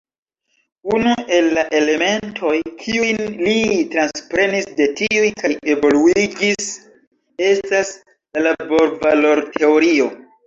Unu el la elementoj, kiujn li transprenis de tiuj kaj evoluigis, estas la laborvalorteorio.